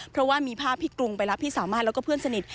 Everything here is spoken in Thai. เพราะว่ามีภาพพี่กรุงไปรับพี่สามารถแล้วก็เพื่อนสนิท